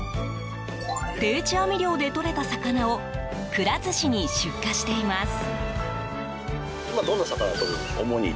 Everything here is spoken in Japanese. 定置網漁でとれた魚をくら寿司に出荷しています。